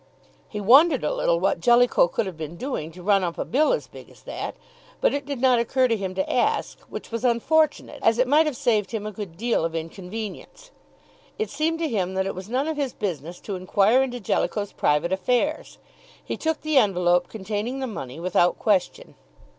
He wondered a little what Jellicoe could have been doing to run up a bill as big as that, but it did not occur to him to ask, which was unfortunate, as it might have saved him a good deal of inconvenience. It seemed to him that it was none of his business to inquire into Jellicoe's private affairs. He took the envelope containing the money without question.